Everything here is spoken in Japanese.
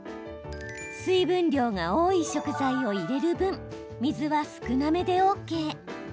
水分量が多い食材を入れる分水は少なめでＯＫ。